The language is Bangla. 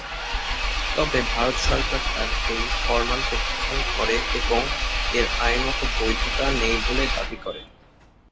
তবে ভারত সরকার তার এই ফরমান প্রত্যাখ্যান করে এবং এর আইনত বৈধতা নেই বলে দাবি করে।